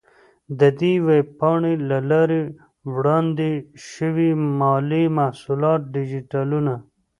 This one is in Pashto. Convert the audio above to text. د دې ویب پاڼې له لارې وړاندې شوي مالي محصولات ډیجیټلونه،